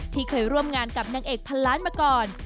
ที่เคยร่วมงานกับนางเอกพันล้านมาก่อน